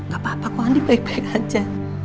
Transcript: gak apa apa kok andi baik baik aja